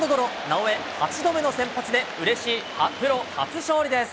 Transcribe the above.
直江、８度目の先発でうれしいプロ初勝利です。